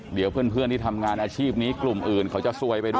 เดี๋ยวเพื่อนที่ทำงานอาชีพนี้กลุ่มอื่นเขาจะซวยไปด้วย